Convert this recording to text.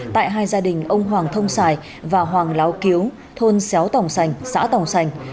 tại hai gia đình ông hoàng thông sài và hoàng láo kiếu thôn xéo tòng sành xã tòng sành